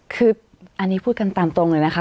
คืออันนี้พูดกันตามตรงเลยนะคะ